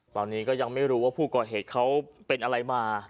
ตอนนี้ก็ยังไม่รู้ว่าผู้ก่อเหตุเขาเป็นอะไรมา